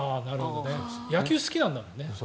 野球好きなんだもんね。